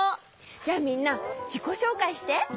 じゃあみんなじこしょうかいして。